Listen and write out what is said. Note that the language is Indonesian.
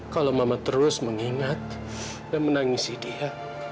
kalau mama terus mengingat dan menangisi dia